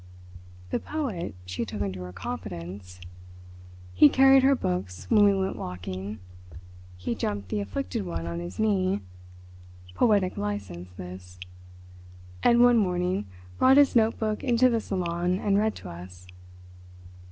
The poet she took into her confidence. He carried her books when we went walking, he jumped the afflicted one on his knee—poetic licence, this—and one morning brought his notebook into the salon and read to us.